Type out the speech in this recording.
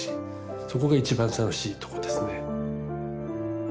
そこが一番楽しいとこですね。